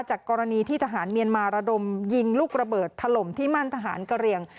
กรณีที่ทหารเมียนมาระดมยิงลูกระเบิดถล่มที่มั่นทหารกะเรียง